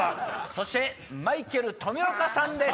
そしてマイケル富岡さんです。